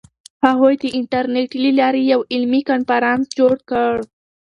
هغوی د انټرنیټ له لارې یو علمي کنفرانس جوړ کړ.